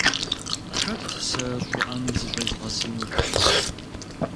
Хэт сэ щӀыӀэм зыщӀезгъэсынур?